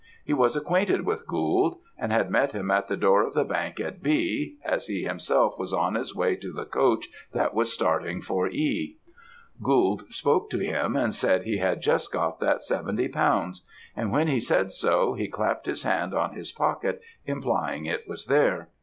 He was acquainted with Gould; and had met him at the door of the bank at B , as he himself was on his way to the coach that was starting for E. Gould spoke to him, and said he had just got that seventy pounds; and when he said so, he clapt his hand on his pocket, implying it was there.